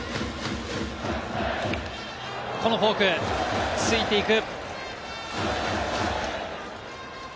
このフォーク、ついていく。